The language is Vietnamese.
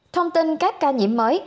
thông tin các ca nhiễm mới